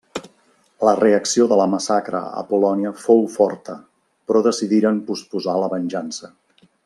La reacció de la massacre a Polònia fou forta, però decidiren posposar la venjança.